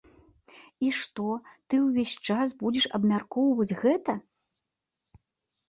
І што ты ўвесь час будзеш абмяркоўваць гэта?